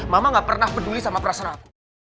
mama gak pernah peduli sama perasaan aku